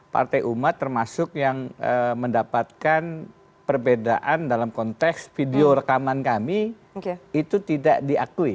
partai umat termasuk yang mendapatkan perbedaan dalam konteks video rekaman kami itu tidak diakui